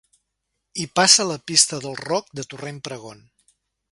Hi passa la Pista del Roc de Torrent Pregon.